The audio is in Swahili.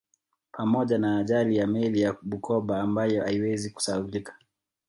Pamoja na ajali ya meli ya Bukoba ambayo haiwezi kusahaulika